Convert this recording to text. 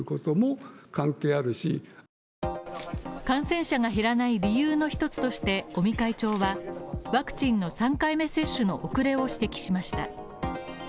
感染者が減らない理由の一つとして尾身会長はワクチンの３回目接種の遅れを指摘しました。